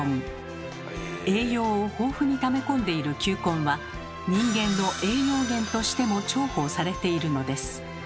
栄養を豊富にため込んでいる球根は人間の栄養源としても重宝されているのです。